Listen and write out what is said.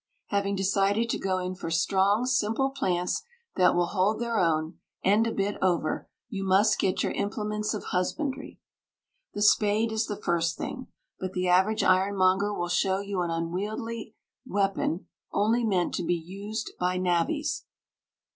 Having decided to go in for strong, simple plants that will hold their own, and a bit over, you must get your implements of husbandry. The spade is the first thing, but the average ironmonger will show you an unwieldy weapon only meant to be used by navvies.